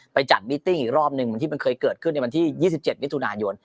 ไปจัดมิตติ้งอีกรอบหนึ่งเหมือนที่มันเคยเกิดขึ้นในวันที่๒๗มิถุนายน